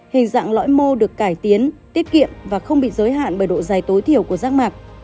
hình dạng lõi mô được cải tiến tiết kiệm và không bị giới hạn bởi độ dài tối thiểu của rác mạc